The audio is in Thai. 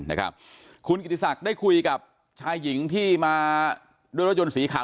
นะครับคุณกิติศักดิ์ได้คุยกับชายหญิงที่มาด้วยรถยนต์สีขาว